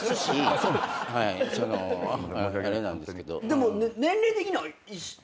でも年齢的には。